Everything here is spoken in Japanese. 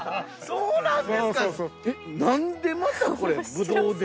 そうなんですか。